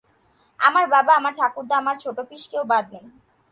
আমার বাবা, আমার ঠাকুরদা, আমার ছোটপিস-কেউ বাদ নেই।